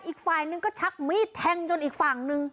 อีกฝ่ายนึงก็ชักมีดแทงจนอีกฝั่งนึง